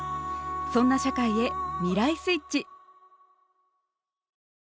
そんな社会へ「未来スイッチ」。